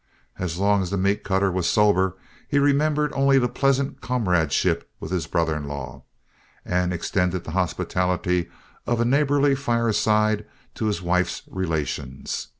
As long as the meat cutter was sober he remembered only the pleasant comradeship with his brother in law, and extended the hospitality of a neighborly fireside to his wife's relations.